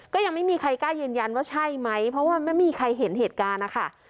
ก็ยังไม่มีใครกล้ายืนยันว่าใช่ไหมเพราะว่าไม่มีใครเห็นเหตุการณ์นะคะ